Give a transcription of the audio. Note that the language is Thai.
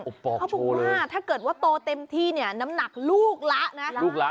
เขาบอกว่าถ้าเกิดว่าโตเต็มที่เนี่ยน้ำหนักลูกละนะ